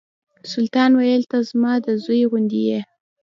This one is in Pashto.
سلطان ویل ته زما د زوی غوندې یې.